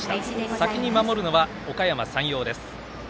先に守るのは、おかやま山陽です。